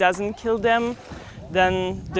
dan jika tidak membunuh mereka